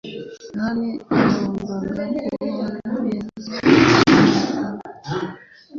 Yohani yagombaga kubana neza n'abana be.